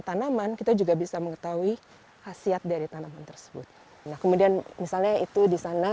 tanaman kita juga bisa mengetahui hasil dari tanaman tersebut nah kemudian misalnya itu di sana